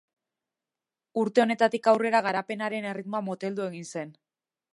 Urte honetatik aurrera, garapenaren erritmoa moteldu egin zen.